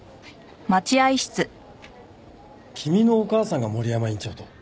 君のお母さんが森山院長と。